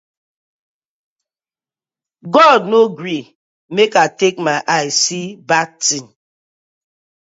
God no gree mek I take my eye see bad tin.